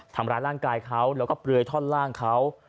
ทำร้ายร่างกายเขาแล้วก็เปลือยท่อนล่างเขา